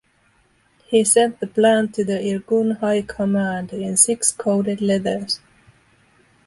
He sent the plan to the Irgun High Command in six coded letters.